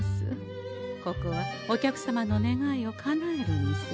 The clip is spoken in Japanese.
ここはお客様の願いをかなえる店。